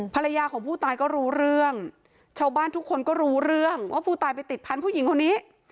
ภรรยาของผู้ตายก็รู้เรื่องชาวบ้านทุกคนก็รู้เรื่องว่าผู้ตายไปติดพันธุ์หญิงคนนี้